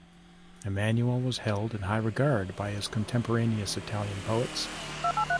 Immanuel was held in high regard by his contemporaneous Italian poets.